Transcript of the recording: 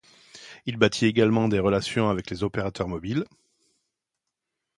Il bâtit également des relations avec les opérateurs mobiles.